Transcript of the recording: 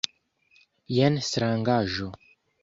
Jen strangaĵo.